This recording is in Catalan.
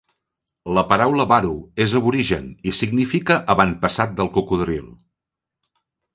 La paraula Baru és aborigen i significa "avantpassat del cocodril".